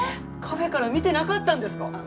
カフェから見てなかったんですか？